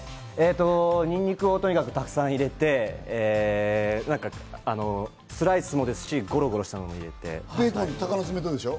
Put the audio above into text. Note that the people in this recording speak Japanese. にんにくをとにかくたくさん入れて、スライスもですしゴロゴあと鷹の爪でしょ？